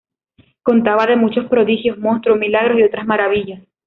Contaba de muchos prodigios, monstruos, milagros y otras maravillas.